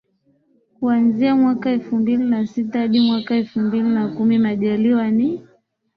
kuanzia mwaka elfu mbili na sita hadi mwaka elfu mbili na kumi Majaliwa ni